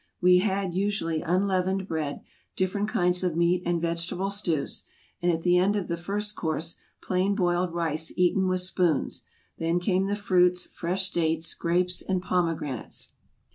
We had usually unleavened bread, different kinds of meat and vegetable stews, and at the end of the first course plain boiled rice, eaten with spoons ; then came the fruits, fresh dates, grapes, and pomegranates.